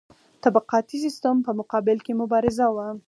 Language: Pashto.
طبقاتي سیستم په مقابل کې مبارزه وه.